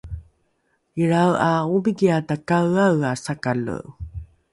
ilrae ’a omikiae takaeaea sakale